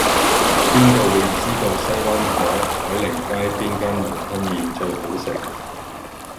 邊個會知道西灣河海寧街邊間雲吞麵最好食